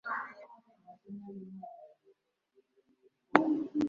umuhungu yakuyemo imyenda yambara pajama